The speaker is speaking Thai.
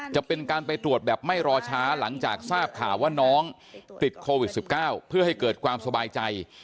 จะเป็นการไปตรวจแบบไม่รอช้าหลังจากทราบข่าวว่าน้องติดโควิด๑๙เพื่อให้เกิดความสบายใจ